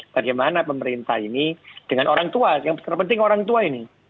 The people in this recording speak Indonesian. bagaimana pemerintah ini dengan orang tua yang terpenting orang tua ini